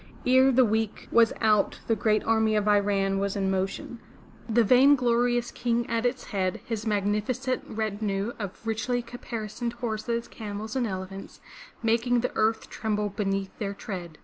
Ere the week was out the great army of Iran was in motion, the vainglorious King at its head, his magnificent retinue of richly caparisoned horses, camels and elephants, making the earth tremble beneath their tread.